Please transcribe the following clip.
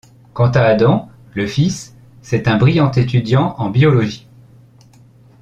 Quant à Adam, le fils, c'est un brillant étudiant en biologie.